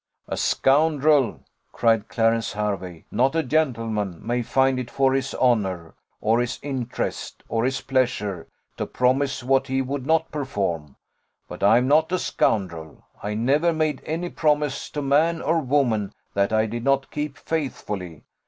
"A scoundrel," cried Clarence Hervey, "not a gentleman, may find it for his honour, or his interest, or his pleasure, to promise what he would not perform; but I am not a scoundrel. I never made any promise to man or woman that I did not keep faithfully.